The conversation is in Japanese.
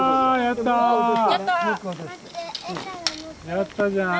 やったじゃん。